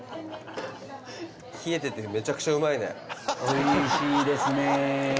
おいしいですね！